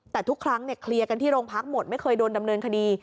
แต่ทุกครั้งเคลียร์กันที่โรงพักหมดไม่เคยโดนดำเนินคดี